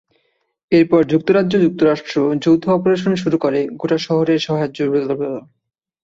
এরপর যুক্তরাজ্য-যুক্তরাষ্ট্র যৌথ অপারেশন শুরু করে গোটা শহরের সাহায্যের জন্য।